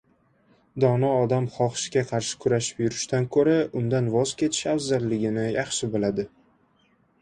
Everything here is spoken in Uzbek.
Dono odam xohishga qarshi kurashib yurishdan ko‘ra undan voz kechish afzalligini yaxshi biladi.